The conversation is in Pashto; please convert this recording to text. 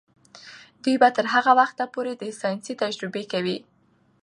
دوی به تر هغه وخته پورې د ساینس تجربې کوي.